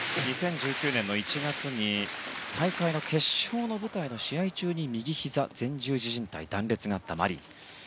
２０１９年１月に大会の決勝の舞台の試合中に右ひざ前十字じん帯断裂があったマリン。